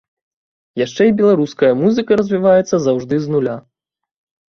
Яшчэ і беларуская музыка развіваецца заўжды з нуля.